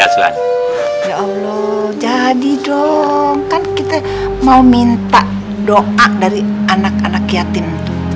ya allah jadi dong kan kita mau minta doa dari anak anak yatim